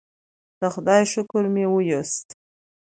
د خدای شکر مې وویست.